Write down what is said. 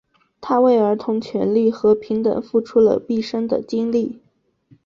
他为儿童权利和平等付出了毕生的精力。